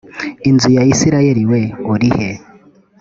inzu ya isirayeli we urihe